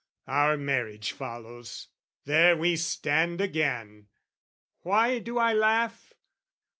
Our marriage follows: there we stand again! Why do I laugh?